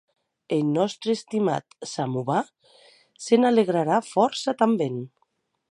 Eth nòste estimat samovar se n'alegrarà fòrça tanben.